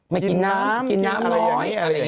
ไม่กินน้ำกินน้ำน้อยอะไรอย่างนี้